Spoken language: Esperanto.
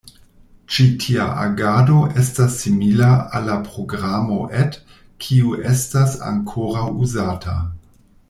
Ĉi tia agado estas simila al la programo ed, kiu estas ankoraŭ uzata.